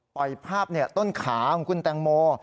ปล่อยภาพต้นขาของคุณแตงโม